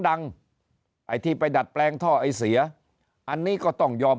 ไอ้ที่ไปดัดแปลงท่อไอเสียอันนี้ก็ต้องยอม